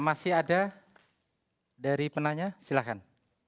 masih ada dari penanya silahkan